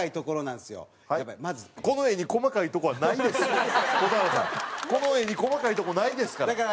この絵に細かいとこないですから。